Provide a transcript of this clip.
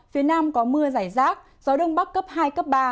phía nam có mưa giải rác gió đông bắc cấp hai cấp ba